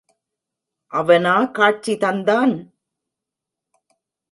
அவனா காட்சி தந்தான்?